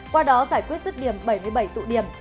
qua đó giải quyết rứt điểm bảy mươi bảy tụ điểm